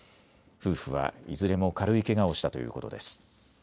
夫婦はいずれも軽いけがをしたということです。